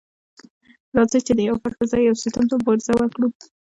راځئ چې د يوه فرد پر ځای يو سيستم ته مبارزه وکړو.